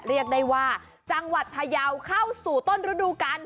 เรียกได้ว่าจังหวัดพยาวเข้าสู่ต้นฤดูกาล